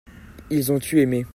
ils ont eu aimé.